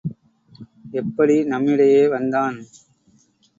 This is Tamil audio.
எப்படி நம்மிடையே வந்தான்?